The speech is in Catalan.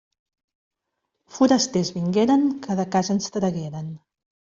Forasters vingueren que de casa ens tragueren.